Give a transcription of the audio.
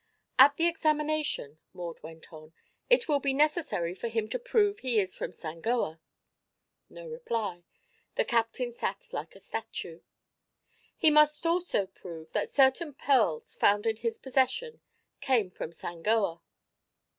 "At the examination," Maud went on, "it will be necessary for him to prove he is from Sangoa." No reply. The captain sat like a statue. "He must also prove that certain pearls found in his possession came from Sangoa."